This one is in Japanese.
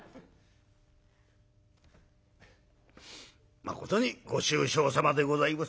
「まことにご愁傷さまでございます」。